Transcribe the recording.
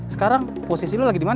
sekarang posisi lo lagi dimana